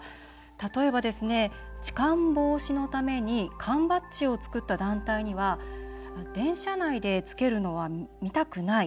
例えば、痴漢防止のために缶バッジを作った団体には電車内でつけるのは見たくない。